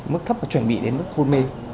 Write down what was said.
mức thấp và chuẩn bị đến mức khôn mê